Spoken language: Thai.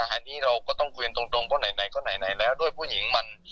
อันนี้เราก็ต้องคุยกันตรงเพราะไหนก็ไหนแล้วด้วยผู้หญิงมัน